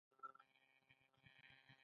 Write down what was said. او خپله برخه ادا کوي.